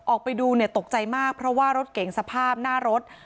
ออกไปดูเนี่ยตกใจมากเพราะว่ารถเก่งสภาพหน้ารถ